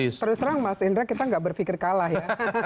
terus terang mas indra kita nggak berpikir kalah ya